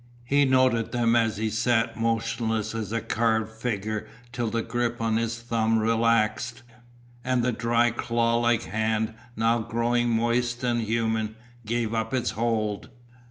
He noted them as he sat motionless as a carved figure till the grip on his thumb relaxed, and the dry claw like hand, now growing moist and human, gave up its hold.